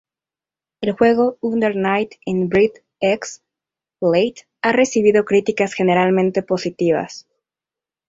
El juego Under Night In-Birth Exe:Late ha recibido críticas generalmente positivas.